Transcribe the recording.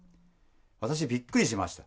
私、びっくりしました。